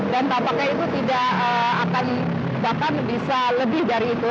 dan tampaknya itu tidak akan bahkan bisa lebih dari itu